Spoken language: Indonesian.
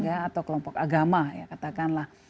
atau kelompok agama ya katakanlah